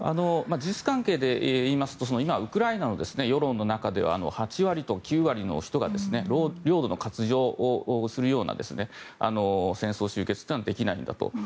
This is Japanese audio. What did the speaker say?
事実関係でいいますとウクライナは世論の中で８割ぐらいの人が領土の割譲をするような戦争終結はできないんだと。